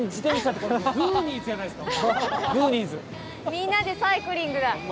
みんなでサイクリングだ。